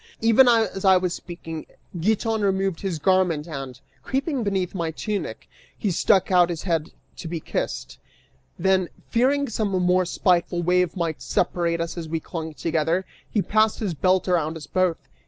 Even as I was speaking, Giton removed his garment and, creeping beneath my tunic, he stuck out his head to be kissed; then, fearing some more spiteful wave might separate us as we clung together, he passed his belt around us both.